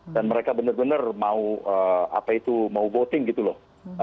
dan mereka benar benar mau voting gitu loh